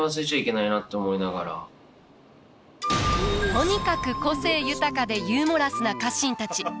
とにかく個性豊かでユーモラスな家臣たち。